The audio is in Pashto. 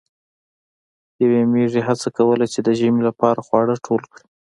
یوې میږی هڅه کوله چې د ژمي لپاره خواړه ټول کړي.